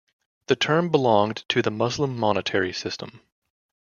The term belonged to the Muslim monetary system.